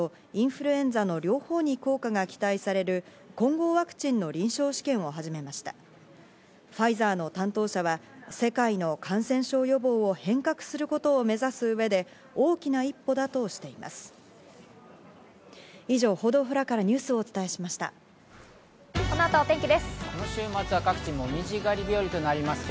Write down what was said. ファイザーの担当者は世界の感染症予防を変革することを目指す上で、大きな一歩だとしています。